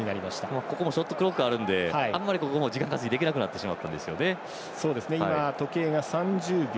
ここもショットクロックあるのであんまり時間稼ぎできなくなってしまったんですよ。